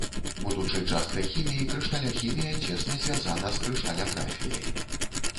Будучы часткай хіміі, крышталяхімія цесна звязана з крышталяграфіяй.